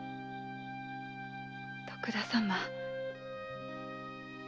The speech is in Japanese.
徳田様。